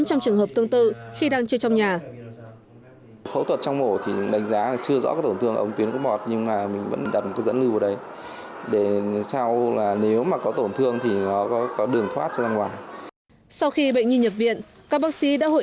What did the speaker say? trong trường hợp tương tự khi đang chơi trong nhà phẫu thuật sau khi bệnh nhi nhập viện các bác sĩ đã hội